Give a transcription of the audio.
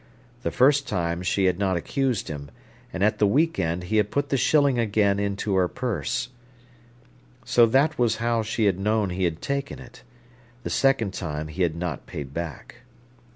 The first time she had not accused him, and at the week end he had put the shilling again into her purse. So that was how she had known he had taken it. The second time he had not paid back.